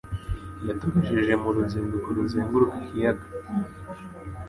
Yatugejeje mu ruzinduko ruzenguruka ikiyaga.